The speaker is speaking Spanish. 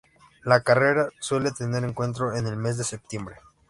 La carrera suele tener encuentro en el mes de septiembre.